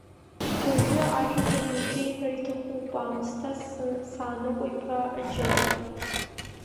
Уажәы ажәақәак нашәеиҳәар иҭахуп аамсҭа Сааныҟәа иԥа Аџьали!